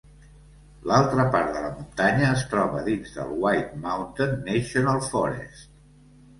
L'altra part de la muntanya es troba dins del White Mountain National Forest.